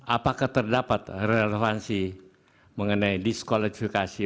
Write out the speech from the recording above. apakah terdapat relevansi mengenai diskualifikasi